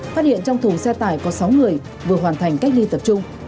phát hiện trong thùng xe tải có sáu người vừa hoàn thành cách ly tập trung